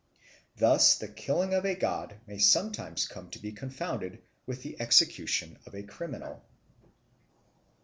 Thus the killing of a god may sometimes come to be confounded with the execution of a criminal.